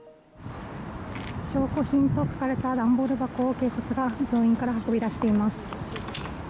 証拠品と書かれた段ボール箱を警察が病院から運び出しています。